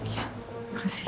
ya beres sih